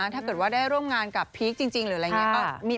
ถ้าเกิดว่าได้ร่วมงานกับพีคจริงหรืออะไรอย่างนี้